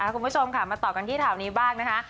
คุณผู้ชมค่ะมาต่อกันที่ข่าวนี้บ้างนะคะ